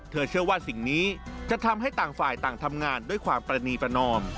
เชื่อว่าสิ่งนี้จะทำให้ต่างฝ่ายต่างทำงานด้วยความประนีประนอม